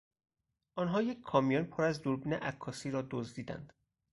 آنها یک کامیون پر از دوربین عکاسی را دزدیدند.